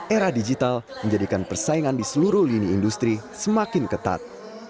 era digital menjadikan persaingan di seluruh lini industri semakin ketat